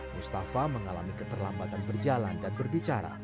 mustafa mengalami keterlambatan berjalan dan berbicara